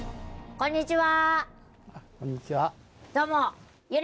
こんにちは。